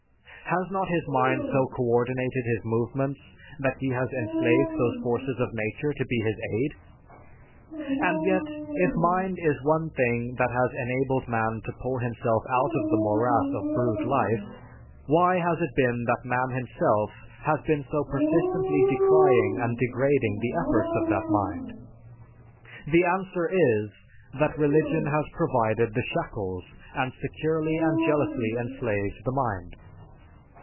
Has not his mind so co *ordinated his movements that he has enslaved those forces of nature to be his aid? And yet, if mind is one thing that has enabled man to pull himself out of the morass of brute life, why has it been that man himself has been so persistently decrying and degrading the efforts of that mind? The answer is, that religion has provided the shackles and securely and jealously enslaved the mind.